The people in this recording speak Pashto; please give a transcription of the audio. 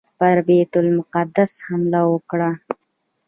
پر بیت المقدس حمله وکړه.